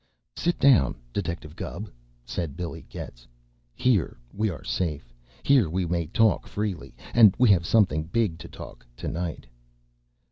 "Sit down, Detective Gubb," said Billy Getz. "Here we are safe. Here we may talk freely. And we have something big to talk to night."